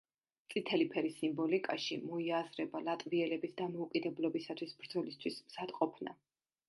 წითელი ფერის სიმბოლიკაში მოიაზრება ლატვიელების დამოუკიდებლობისათვის ბრძოლისთვის მზადყოფნა.